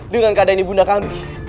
dengan keadaan ibu naka b